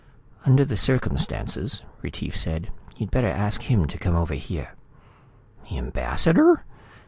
"Under the circumstances," Retief said, "you'd better ask him to come over here." "The ambassador?"